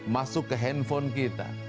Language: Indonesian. masuk ke handphone kita